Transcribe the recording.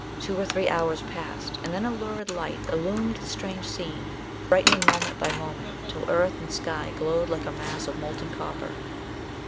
Two or three hours passed, and then a lurid light illumined the strange scene, brightening moment by moment, till earth and sky glowed like a mass of molten copper.